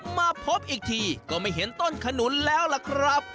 มาพบอีกทีก็ไม่เห็นต้นขนุนแล้วล่ะครับ